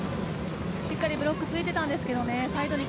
しっかりブロックついていたんですよね。